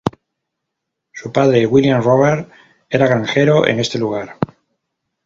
Su padre William Roberts era granjero en este lugar.